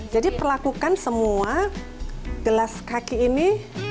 jadi perlakukan semua gelas kaki ini